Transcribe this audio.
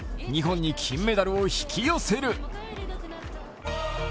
日本に金メダルを引き寄せる。